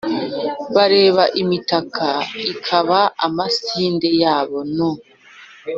Bareba imitaka, ikaba amasinde yabo nu :